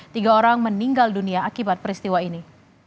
tiga orang meninggal dunia akibat peristiwa ini